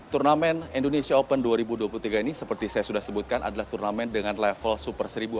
turnamen indonesia open dua ribu dua puluh tiga ini seperti saya sudah sebutkan adalah turnamen dengan level super seribu